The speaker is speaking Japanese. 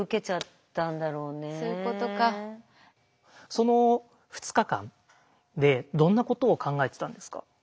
その２日間でどんなことを考えてたんですか？